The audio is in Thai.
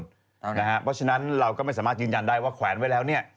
เพราะฉะนั้นเราก็ไม่สามารถยืนยันได้ว่าแขวนไว้แล้วเนี่ย